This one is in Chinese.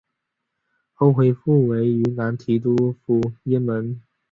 后恢复为云南提督府衙门。